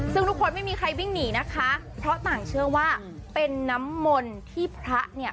ซึ่งทุกคนไม่มีใครวิ่งหนีนะคะเพราะต่างเชื่อว่าเป็นน้ำมนต์ที่พระเนี่ย